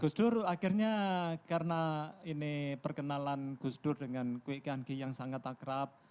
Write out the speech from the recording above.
gus dur akhirnya karena ini perkenalan gus dur dengan kuy kanki yang sangat akrab